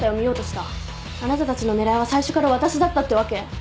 あなたたちの狙いは最初からわたしだったってわけ？